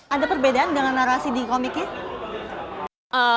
ada perbedaan dengan narasi di komiknya